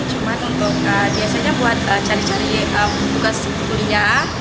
cuma untuk biasanya buat cari cari tugas kuliah